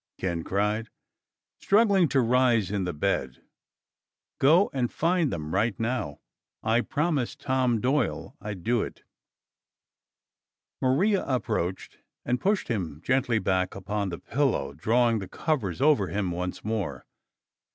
Ken cried, struggling to rise in the bed. "Go and find them right now. I promised Tom Doyle I'd do it." Maria approached and pushed him gently back upon the pillow, drawing the covers over him once more.